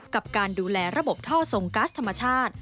กับการดูแลระบบท่อทรงกัสธรรมชาติ